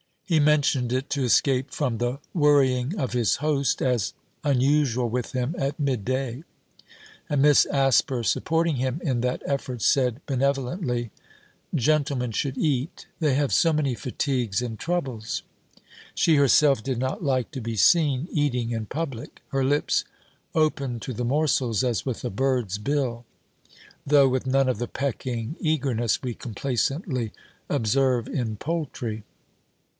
He mentioned it, to escape from the worrying of his host, as unusual with him at midday: and Miss Asper, supporting him in that effort, said benevolently: 'Gentlemen should eat; they have so many fatigues and troubles.' She herself did not like to be seen eating in public. Her lips opened to the morsels, as with a bird's bill, though with none of the pecking eagerness we complacently observe in poultry.